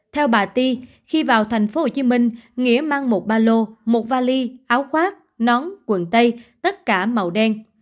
theo bà ti khi vào tp hcm nghĩa mang một ba lô một vali áo khoác nón quần tây tất cả màu đen